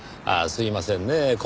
ああすいませんねぇ